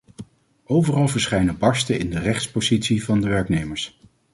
Overal verschijnen barsten in de rechtsposities van de werknemers.